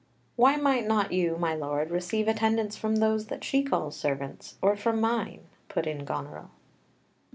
"Why might not you, my lord, receive attendance from those that she calls servants, or from mine?" put in Goneril.